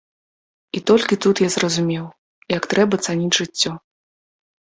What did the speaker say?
І толькі тут я зразумеў, як трэба цаніць жыццё.